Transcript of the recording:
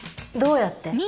どうやって？